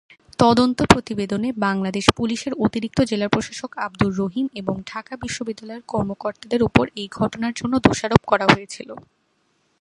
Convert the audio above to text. তদন্ত প্রতিবেদনে বাংলাদেশ পুলিশের অতিরিক্ত জেলা প্রশাসক আবদুর রহিম এবং ঢাকা বিশ্ববিদ্যালয়ের কর্মকর্তাদের উপর এই ঘটনার জন্য দোষারোপ করা হয়েছিল।